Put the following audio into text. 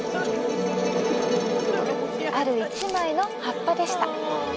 ある１枚の葉っぱでした。